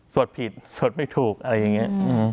สวดผิดสวดไม่ถูกอะไรอย่างเงี้ย